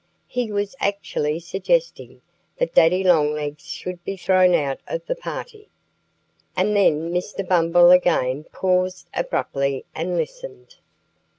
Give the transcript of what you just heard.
He was actually suggesting that Daddy Longlegs should be thrown out of the party! And then Mr. Bumble again paused abruptly and listened.